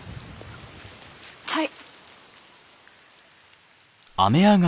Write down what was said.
はい。